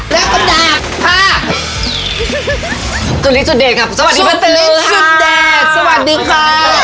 แล้วก็ดาบค่ะจุดนี้จุดเดชค่ะสวัสดีมาเจอค่ะสวัสดีค่ะ